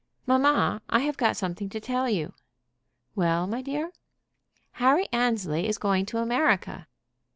"Mamma, I have got something to tell you." "Well, my dear?" "Harry Annesley is going to America!"